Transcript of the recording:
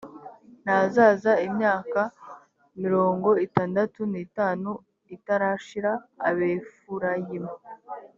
ntazaza imyaka mirongo itandatu n’itanu itarashira abefurayimu